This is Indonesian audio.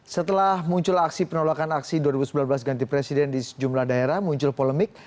setelah muncul aksi penolakan aksi dua ribu sembilan belas ganti presiden di sejumlah daerah muncul polemik